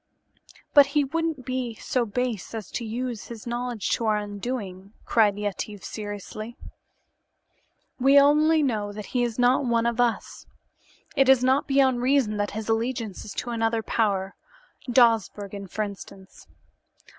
"But he wouldn't be so base as to use his knowledge to our undoing," cried Yetive seriously. "We only know that he is not one of us. It is not beyond reason that his allegiance is to another power, Dawsbergen, for instance.